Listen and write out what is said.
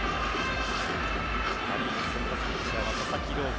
パ・リーグ先発ピッチャーが佐々木朗希。